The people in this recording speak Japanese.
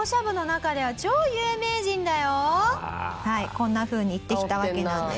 こんなふうに言ってきたわけなんです。